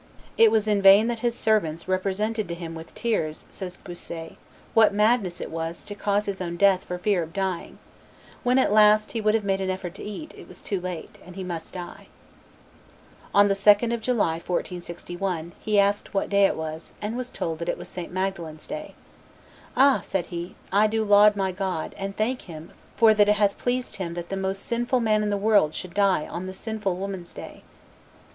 It was in vain that his servants "represented to him with tears," says Bossuet, "what madness it was to cause his own death for fear of dying; when at last he would have made an effort to eat, it was too late, and he must die." On the 2nd of July, 1461, he asked what day it was, and was told that it was St. Magdalen's day. "Ah!" said he, "I do laud my God, and thank Him for that it hath pleased Him that the most sinful man in the world should die on the sinful woman's day!